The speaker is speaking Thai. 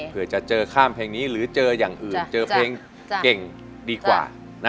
เพื่อจะเจอข้ามเพลงนี้หรือเจออย่างอื่นเจอเพลงเก่งดีกว่า